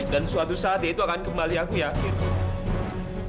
dan suatu saat dia itu akan kembali aku yakin